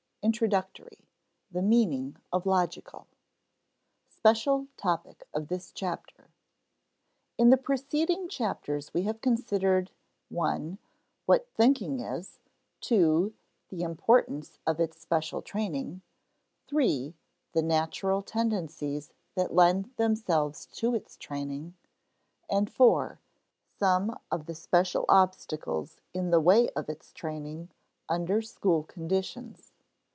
Introductory: The Meaning of Logical [Sidenote: Special topic of this chapter] In the preceding chapters we have considered (i) what thinking is; (ii) the importance of its special training; (iii) the natural tendencies that lend themselves to its training; and (iv) some of the special obstacles in the way of its training under school conditions.